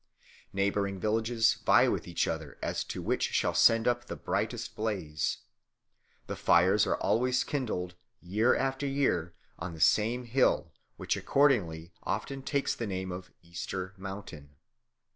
Neighbouring villages vie with each other as to which shall send up the greatest blaze. The fires are always kindled, year after year, on the same hill, which accordingly often takes the name of Easter Mountain.